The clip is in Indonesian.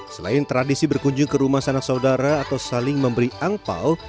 selain tradisi berkunjung ke rumah sanak saudara atau saling memberi angpao